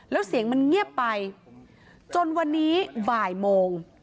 แล้วเสียงมันเงียบไปจนวันนี้บ่ายโมง